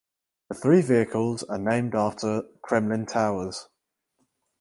The three vehicles are named after Kremlin towers.